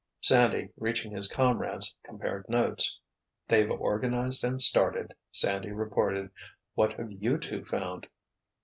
Sandy, reaching his comrades, compared notes. "They've organized and started," Sandy reported. "What have you two found?"